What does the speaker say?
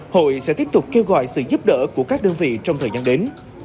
hội sẽ tiếp tục kêu gọi sự giúp đỡ của các đơn vị trong thời gian đến